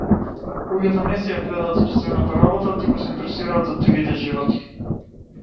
Луѓето не си ја гледаат сопстевната работа туку се интересираат за туѓите животи.